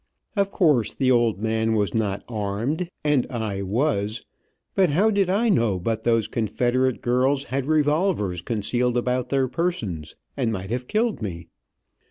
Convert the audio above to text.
Of course the old man was not armed, and I was, but how did I know but those Confederate girls had revolvers concealed about their persons, and might have killed me.